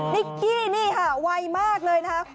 นิกกี้นี่ค่ะไวมากเลยนะคะ